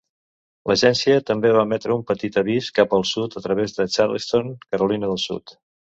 L'agència també va emetre un petit avís cap al sud a través de Charleston, Carolina del Sud.